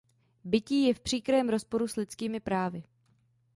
Bití je v příkrém rozporu s lidskými právy.